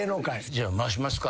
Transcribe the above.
じゃあ回しますか。